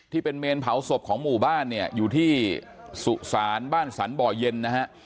ที่เป็นเมนเผาศพของหมู่บ้านเนี่ยอยู่ที่สุสานบ้านสรรบ่อเย็นนะฮะ